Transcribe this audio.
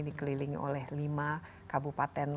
dikelilingi oleh lima kabupaten